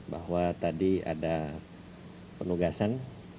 bahwa tadi ada penugasan